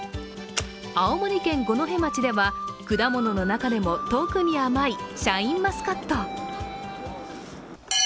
青森県五戸町では果物の中でも特に甘いシャインマスカット。